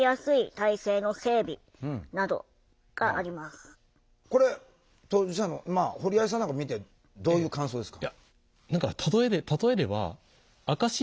その中身はこれ当事者の堀合さんなんか見てどういう感想ですか？